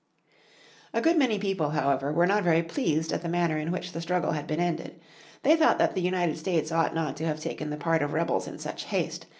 A good many people, however, were not very pleased at the manner in which the struggle had been ended. They thought that the United States ought not to have taken the part of rebels in such haste.